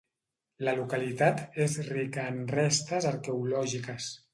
La localitat és rica en restes arqueològiques.